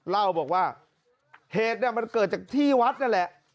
เล่าบอกว่าเหตุมันเกิดจากที่วัดนั่นแหละ